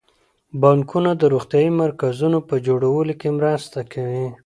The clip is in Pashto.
بانکونه د روغتیايي مرکزونو په جوړولو کې مرسته کوي.